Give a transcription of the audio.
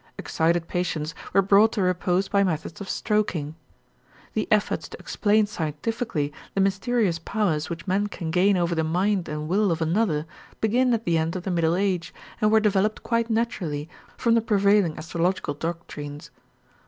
Excited patients were brought to repose by methods of stroking. The efforts to explain scientifically the mysterious powers which men can gain over the mind and will of another begin at the end of the Middle Age and were developed quite naturally from the prevailing astrological doctrines.